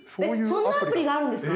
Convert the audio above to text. そんなアプリがあるんですか？